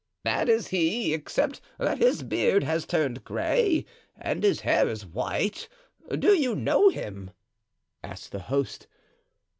"That is he, except that his beard has turned gray and his hair is white; do you know him?" asked the host.